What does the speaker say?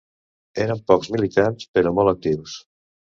Eren pocs militants però molt actius.